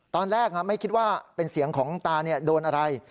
ตอนแรกไม่คิดว่าเป็นเสียงของตาโดนอะไร